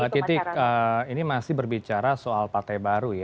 mbak titik ini masih berbicara soal partai baru